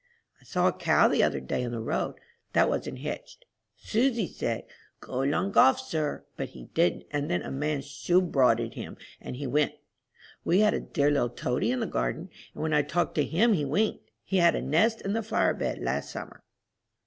I saw a cow the other day in the road, that wasn't hitched. Susy said, "Go long goff, sir," but he didn't, and then a man shoo brauded him, and he went. We had a dear little toady in the garden, and when I talked to him he winked. He had a nest in the flower bed last summer.